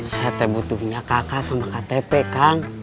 saya teh butuhnya kakak sama katepe kang